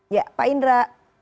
ya pak indra